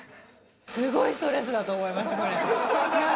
すごいストレスだと思います、これ。